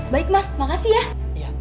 baik mas makasih ya